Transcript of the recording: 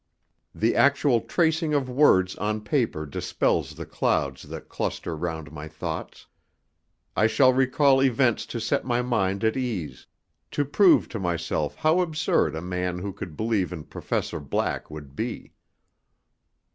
The actual tracing of words on paper dispels the clouds that cluster round my thoughts. I shall recall events to set my mind at ease, to prove to myself how absurd a man who could believe in Professor Black would be.